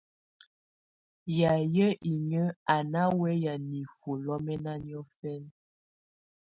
Yayɛ̀á inyǝ́ á ná wɛ́ya nifuǝ́ lɔ́mɛna niɔfɛna.